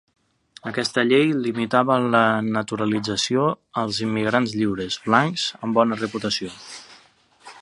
Aquesta llei limitava la naturalització als immigrants lliures, blancs amb bona reputació.